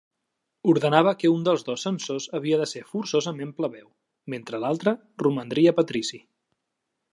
Ordenava que un dels dos censors havia de ser forçosament plebeu, mentre l’altre romandria patrici.